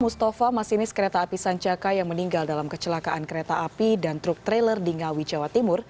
mustafa masinis kereta api sancaka yang meninggal dalam kecelakaan kereta api dan truk trailer di ngawi jawa timur